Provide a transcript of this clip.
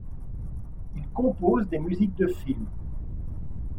Il compose des musiques de film.